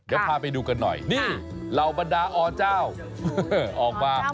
เดี๋ยวพาไปดูกันหน่อยนี่เหล่าบรรดาอเจ้าออกมา